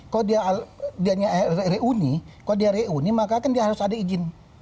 kalau dia reuni maka kan dia harus ada izin